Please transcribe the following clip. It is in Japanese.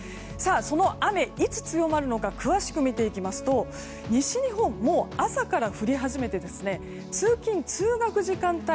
その雨、いつ強まるのか詳しく見ると西日本は朝から降り始めて通勤・通学時間帯